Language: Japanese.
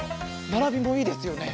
ならびもいいですよね？